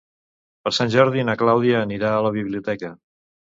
Per Sant Jordi na Clàudia anirà a la biblioteca.